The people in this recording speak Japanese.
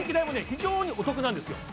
非常にお得なんですよ